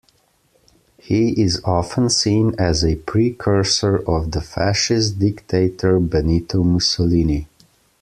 He is often seen as a precursor of the fascist dictator Benito Mussolini.